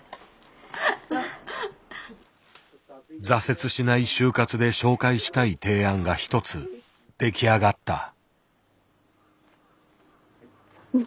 「挫折しない終活」で紹介したい提案が一つ出来上がった。